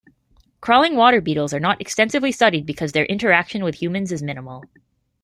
Crawling water beetles are not extensively studied because their interaction with humans is minimal.